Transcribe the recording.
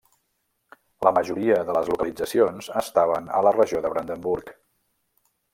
La majoria de les localitzacions estaven a la regió de Brandenburg.